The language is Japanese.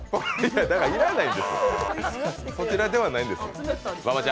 だから、要らないんです、そちらではないんです。